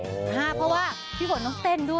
เพราะว่าพี่ฝนต้องเต้นด้วย